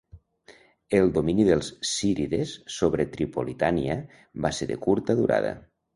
El domini dels zírides sobre Tripolitània va ser de curta durada.